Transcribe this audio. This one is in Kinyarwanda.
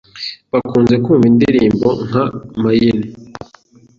bakunze kumva indirimbo nka "Mayini"